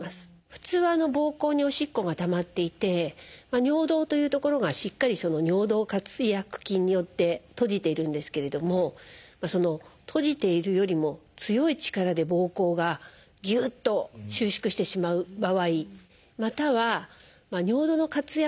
普通はぼうこうにおしっこがたまっていて尿道という所がしっかり尿道括約筋によって閉じているんですけれども閉じているよりも強い力でぼうこうがギュッと収縮してしまう場合または尿道の括約筋